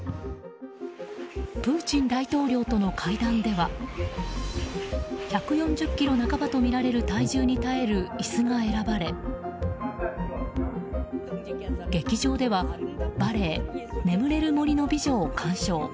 プーチン大統領との会談では１４０ｋｇ半ばとみられる体重に耐える椅子が選ばれ劇場ではバレエ「眠れる森の美女」を鑑賞。